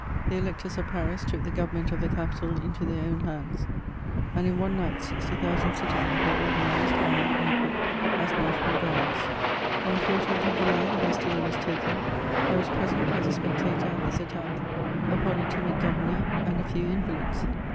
The Electors of Paris took the government of the Capital into their own hands, ahd in one night 60,000 citizens were organised, armed, and equipped as National Guards. On the 1 4th of July the Bastille was taken ; I was present as a spectator at this attack upon a timid governor and a few inva lids.